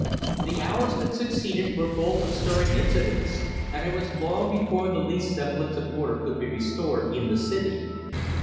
The hours that succeeded were full of stirring incidents, and it was long before the least semblance of order could be restored in the city.